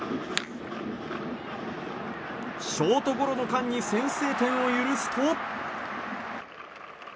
ショートゴロの間に先制点を許すと。